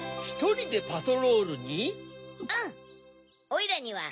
ひとりでパトロールに？